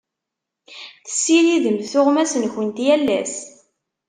Tessiridemt tuɣmas-nkent yal ass.